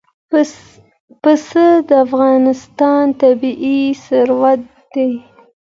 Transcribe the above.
پسه د افغانستان طبعي ثروت دی.